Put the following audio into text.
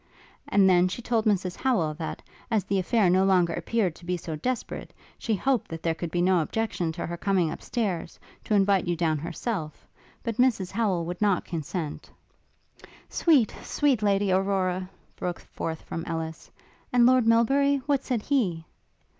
And then she told Mrs Howel that, as the affair no longer appeared to be so desperate, she hoped that there could be no objection to her coming up stairs, to invite you down herself. But Mrs Howel would not consent.' 'Sweet! sweet Lady Aurora!' broke forth from Ellis; 'And Lord Melbury? what said he?'